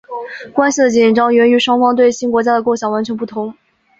关系的紧张源于双方对新国家的构想完全不同。